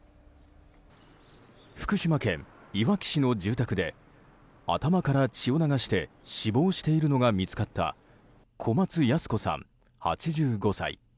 福島県いわき市の住宅で頭から血を流して死亡しているのが見つかった小松ヤス子さん、８５歳。